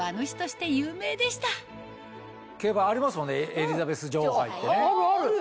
エリザベス女王杯ってね。